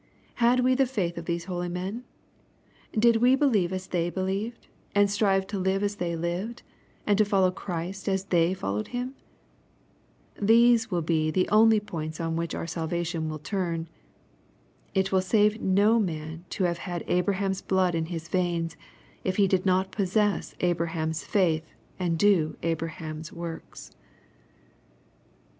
— ^Had we the faith of these holy men ? Did we believe as they believed, and strive to live as they lived, and to follow Christ as they followed Him ? These will be the only points on which our salvation will turn. It will save no man to have had Abraham's blood in his veins, if he did not possess Abraham's faith and do Abraham's works.